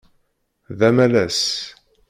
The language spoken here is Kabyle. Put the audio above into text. D amalas.